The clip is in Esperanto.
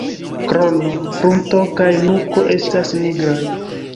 Krono, frunto kaj nuko estas nigraj.